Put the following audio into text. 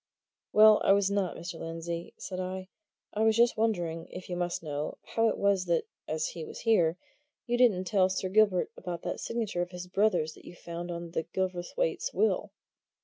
"Well, I was not, Mr. Lindsey," said I. "I was just wondering if you must know how it was that, as he was here, you didn't tell Sir Gilbert about that signature of his brother's that you found on Gilverthwaite's will."